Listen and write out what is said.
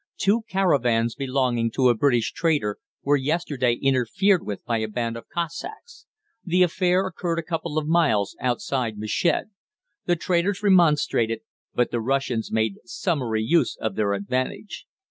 Two caravans belonging to a British trader were yesterday interfered with by a band of Cossacks. The affair occurred a couple of miles outside Meshed; the traders remonstrated, but the Russians made summary use of their advantage.